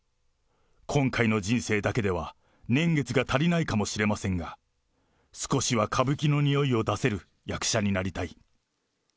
今回の人生だけでは、年月が足りないかもしれませんが、少しは歌舞伎のにおいを出せる役者になりたい。